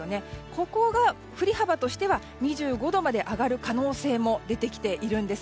ここが、振り幅としては２５度まで上がる可能性も出てきているんです。